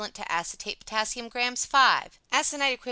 to Acetate Potass, Grs. v Aconite, Equiv.